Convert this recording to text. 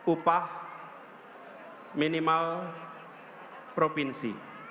upah minimal provinsi